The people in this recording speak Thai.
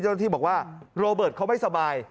เจ้าหน้าที่บอกว่าโรเบิร์ตเขาไม่สบาย